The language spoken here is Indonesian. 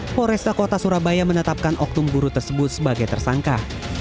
mapo resta kota surabaya menetapkan oktum guru tersebut sebagai tersangka